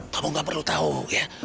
kamu gak perlu tahu ya